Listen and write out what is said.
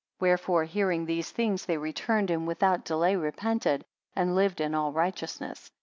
78 Wherefore hearing these things they returned, and without delay repented, and lived in all righteousness.